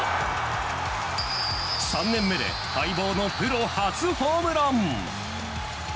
３年目で待望のプロ初ホームラン！